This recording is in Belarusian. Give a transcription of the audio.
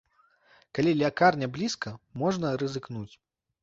Калі лякарня блізка, можна рызыкнуць.